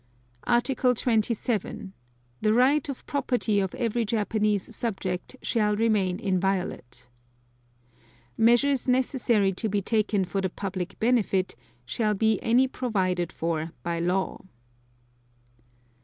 Article 27. The right of property of every Japanese subject shall remain inviolate. (2) Measures necessary to be taken for the public benefit shall be any provided for by law.